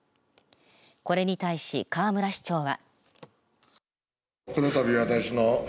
これに対し、河村市長は。